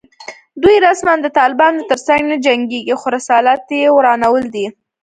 دوی رسماً د طالبانو تر څنګ نه جنګېږي خو رسالت یې ورانول دي